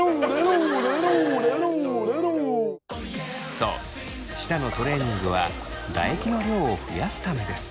そう舌のトレーニングは唾液の量を増やすためです。